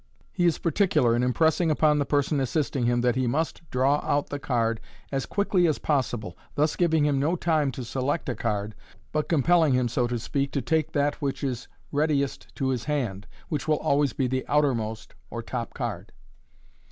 He is particular in impressing upon the person assisting him that he must draw out the card as quickly as possible, thus giving him no time to select a card, but compelling him, so to speak, to take that which is readiest to his hand, which will always be the outermost, of top card.